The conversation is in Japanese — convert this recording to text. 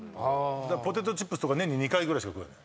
ポテトチップスとか年に２回ぐらいしか食えない。